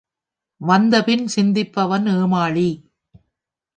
வந்த பின் சிந்திப்பவன் ஏமாளி.